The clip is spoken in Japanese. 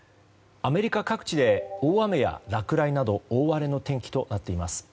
アメリカ各地で大雨や落雷など大荒れの天気となっています。